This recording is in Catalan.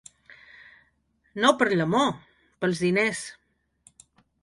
No per l’amor, pels diners.